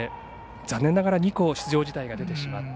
残念ながら２校出場辞退が出てしまった。